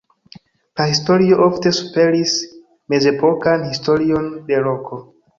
Prahistorio ofte superis mezepokan historion de Roko.